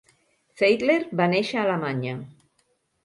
Zeidler va néixer a Alemanya.